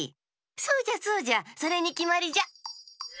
そうじゃそうじゃそれにきまりじゃ。